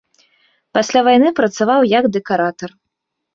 Пасля вайны працаваў як дэкаратар.